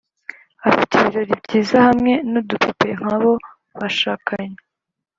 afite ibirori byiza hamwe nudupupe nkabo bashakanye